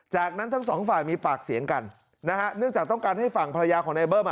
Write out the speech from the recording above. จากนั้นทั้งสองฝ่ายมีปากเสียงกันนะฮะเนื่องจากต้องการให้ฝั่งภรรยาของในเบิ้ม